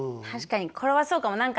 確かにこれはそうかも。